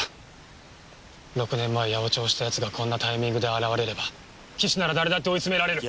６年前八百長したやつがこんなタイミングで現れれば棋士なら誰だって追い詰められる。